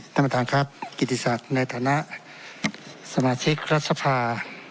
ท่านประธานครับกิติศักดิ์ในฐานะสมาชิกรัฐสภา